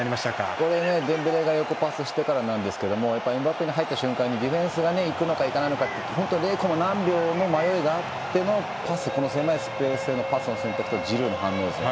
これ、デンベレが横パスしてからなんですけどエムバペが入った瞬間にディフェンスが行くのか行かないのかって本当に０．何秒の迷いがあってのこの狭いスペースへのパスとジルーの判断ですね。